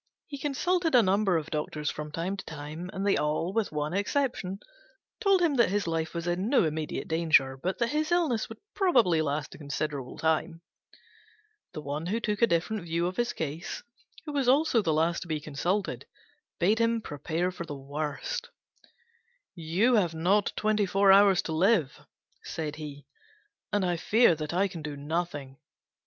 He consulted a number of doctors from time to time, and they all, with one exception, told him that his life was in no immediate danger, but that his illness would probably last a considerable time. The one who took a different view of his case, who was also the last to be consulted, bade him prepare for the worst: "You have not twenty four hours to live," said he, "and I fear I can do nothing."